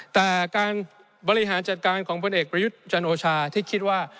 แต่การบริหารจัดการของพลเอกประยุทธ์จันโอชาที่คิดว่า